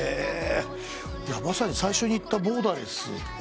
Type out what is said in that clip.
まさに最初に言ったボーダーレス。